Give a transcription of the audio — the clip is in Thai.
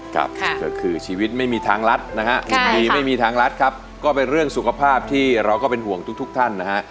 ก็คือชีวิตไม่มีทางรัฐนะฮะดีไม่มีทางรัฐครับก็เป็นเรื่องสุขภาพที่เราก็เป็นห่วงทุกท่านนะฮะ